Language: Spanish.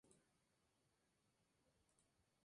El Hada madrina es un caso especial del donante mágico.